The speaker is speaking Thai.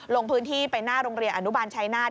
ลงพื้นที่ไปหน้าโรงเรียนอนุบาลชายนาฏ